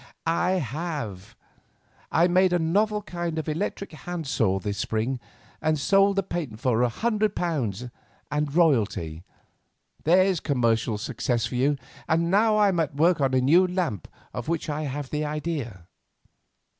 "I have. I made a novel kind of electrical hand saw this spring, and sold the patent for £100 and a royalty. There's commercial success for you, and now I am at work on a new lamp of which I have the idea."